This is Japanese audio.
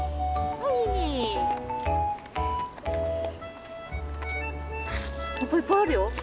はっぱいっぱいあるよ。